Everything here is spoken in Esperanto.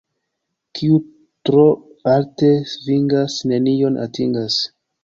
Kiu tro alte svingas, nenion atingas.